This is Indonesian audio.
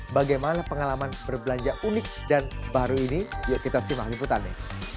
bagaimana pengalaman berbelanja unik dan baru ini yuk kita simak liputannya